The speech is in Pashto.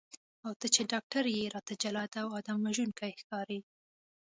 او ته چې ډاکټر یې راته جلاد او آدم وژونکی ښکارې.